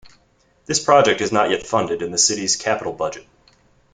This project is not yet funded in the City's Capital Budget.